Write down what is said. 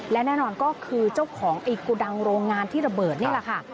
และแน่นอนก็คือเจ้าของไอ้โกดังโรงงานที่ระเบิดนี่แหละค่ะ